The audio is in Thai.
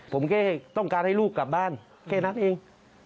ผมแค่ต้องการให้ลูกกลับบ้านแค่นั้นเอง